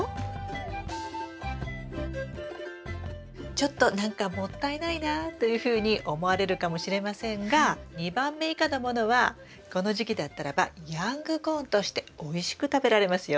ちょっと何かもったいないなというふうに思われるかもしれませんが２番目以下のものはこの時期だったらばヤングコーンとしておいしく食べられますよ。